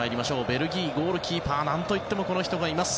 ベルギー、ゴールキーパー何といってもこの人がいます